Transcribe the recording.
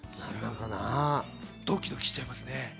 ドキドキしちゃいますね。